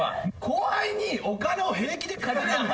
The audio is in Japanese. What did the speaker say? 「後輩にお金を平気で借りれる」